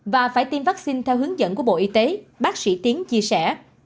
và phải tiêm vaccine theo hướng dẫn của bộ y tế bác sĩ tiến chia sẻ